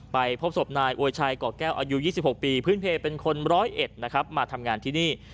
ไปพบศพนายอวยชัยเกาะแก้วอายุ๒๖ปีพื้นเพลยเป็นคน๑๐๑มาทำงานที่นี่